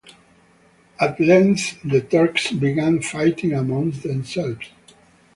At length, the Turks began fighting amongst themselves.